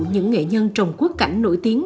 những nghệ nhân trồng quốc cảnh nổi tiếng